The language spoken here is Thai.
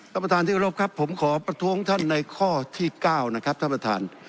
ท่านประธานที่กรบครับผมขอประท้วงท่านในข้อที่๙นะครับท่านประธาน